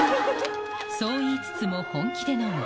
そう言いつつも本気で飲む。